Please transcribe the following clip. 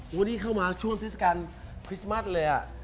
วันนี้เข้ามาช่วงเทศกาลคริสต์มัสเลย